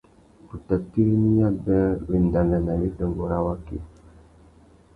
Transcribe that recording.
Tu tà tirimiya being wendana na widôngô râ waki.